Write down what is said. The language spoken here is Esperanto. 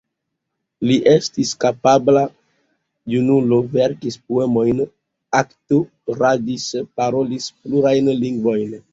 Li estis kapabla junulo, verkis poemojn, aktoradis, parolis plurajn lingvojn.